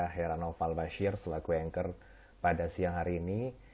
helano palbashir sebagai anchor pada siang hari ini